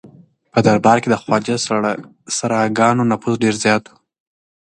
په دربار کې د خواجه سراګانو نفوذ ډېر زیات و.